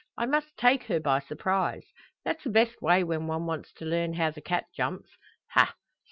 I must take her by surprise. That's the best way when one wants to learn how the cat jumps. Ha!